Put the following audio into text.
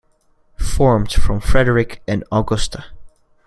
Formed from Frederick and Augusta.